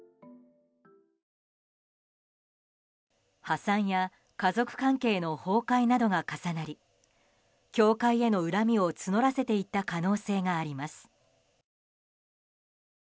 破産や家族関係の崩壊などが重なり教会への恨みを募らせていった可能性があります。